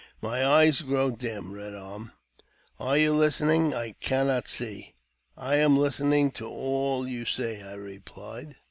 My eyes grow dim. Eed Arm, are you listening? I cannot see." " I am listening to all you say," I replied.